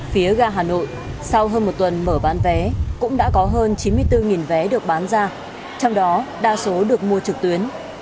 phía ga hà nội sau hơn một tuần mở bán vé cũng đã có hơn chín mươi bốn vé được bán ra trong đó đa số được mua trực tuyến